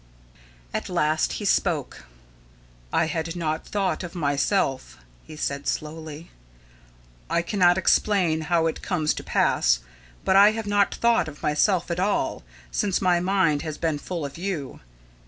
At last he spoke. "I had not thought of myself," he said slowly. "I cannot explain how it comes to pass, but I have not thought of myself at all, since my mind has been full of you.